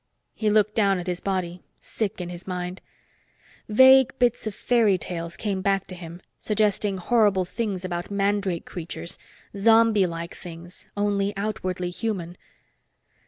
He looked down at his body, sick in his mind. Vague bits of fairy tales came back to him, suggesting horrible things about mandrake creatures zombie like things, only outwardly human.